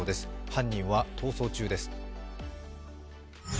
犯人は逃走中です。